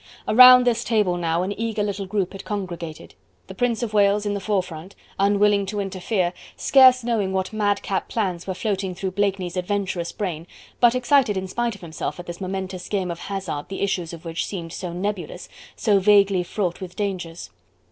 Around this table now an eager little group had congregated: the Prince of Wales in the forefront, unwilling to interfere, scarce knowing what madcap plans were floating through Blakeney's adventurous brain, but excited in spite of himself at this momentous game of hazard the issues of which seemed so nebulous, so vaguely fraught with dangers.